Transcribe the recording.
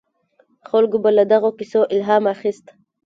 خلکو به له دغو کیسو الهام اخیست.